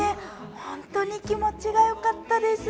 本当に気持ちがよかったです。